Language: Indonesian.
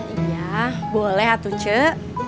iya boleh atu cek